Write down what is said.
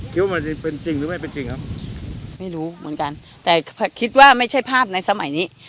คิดว่ามันเป็นจริงหรือไม่เป็นจริงครับไม่รู้เหมือนกันแต่คิดว่าไม่ใช่ภาพในสมัยนี้